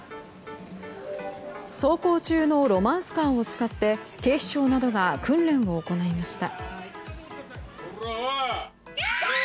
走行中のロマンスカーを使って警視庁などが訓練を行いました。